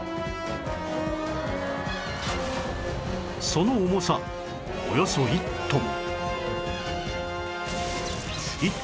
その重さおよそ１トン